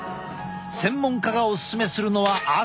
専門家がおすすめするのは朝。